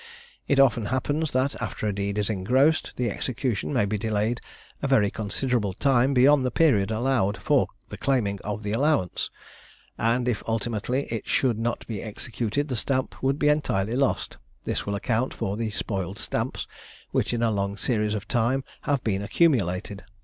It often happens, that after a deed is engrossed, the execution may be delayed a very considerable time beyond the period allowed for claiming the allowance, and if ultimately it should not be executed the stamp would be entirely lost; this will account for the spoiled stamps which in a long series of time have been accumulated.